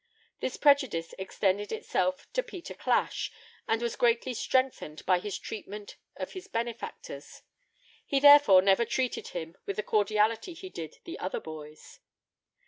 This prejudice extended itself to Peter Clash, and was greatly strengthened by his treatment of his benefactors; he therefore never treated him with the cordiality he did the other boys.